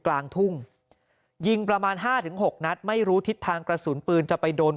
กลางทุ่งยิงประมาณห้าถึงหกนัดไม่รู้ทิศทางกระสุนปืนจะไปโดน